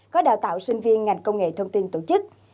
có đào tạo sinh viên ngành công nghệ thông tin tổ chức